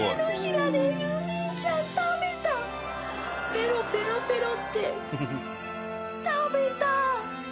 ペロペロペロって食べた！